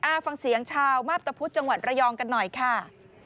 ฟังเสียงชาวมาพตะพุธจังหวัดระยองกันหน่อยค่ะ